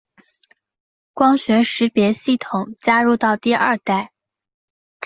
光学识别系统加入到第二代。